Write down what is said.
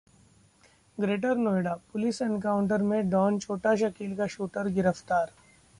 greater Noida: police encounter में don Chhota Shakeel का shooter गिरफ्तार